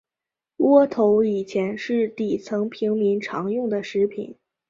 窝头以前是底层平民常用的食品。